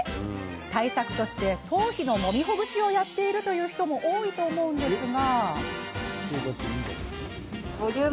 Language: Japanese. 対策として、頭皮のもみほぐしをやっている人も多いと思うんですが。